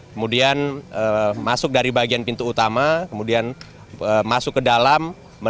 kemudian masuk dari bagian pintu utama kemudian masuk ke dalam